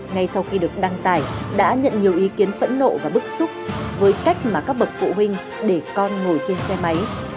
ngay sau khi được đăng tải đã nhận nhiều ý kiến phẫn nộ và bức xúc với cách mà các bậc phụ huynh để con ngồi trên xe máy